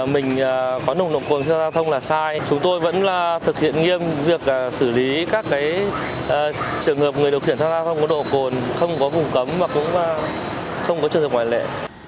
mình có nồng độ cồn xe giao thông là sai chúng tôi vẫn thực hiện nghiêm việc xử lý các trường hợp người điều khiển tham gia giao thông có độ cồn không có vùng cấm và cũng không có trường hợp ngoại lệ